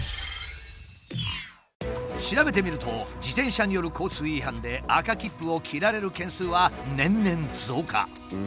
調べてみると自転車による交通違反で赤切符を切られる件数は年々増加。